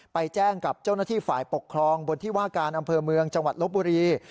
ไปแจ้งกับเจ้าหน้าที่ฝ่ายปกครองบนที่ว่าการอำเภอเมืองจังหวัดลบบุรี